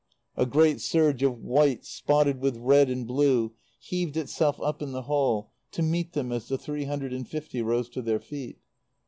A great surge of white, spotted with red and blue, heaved itself up in the hall to meet them as the three hundred and fifty rose to their feet.